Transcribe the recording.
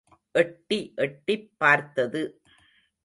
எட்டி எட்டிப் பார்த்தது.